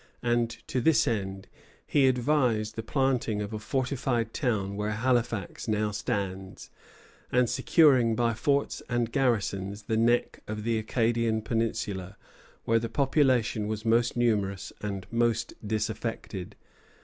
] and to this end he advised the planting of a fortified town where Halifax now stands, and securing by forts and garrisons the neck of the Acadian peninsula, where the population was most numerous and most disaffected.